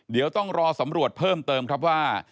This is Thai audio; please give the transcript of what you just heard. เดี๋ยวต้องรอสำรวจเพิ่มเติมครับว่า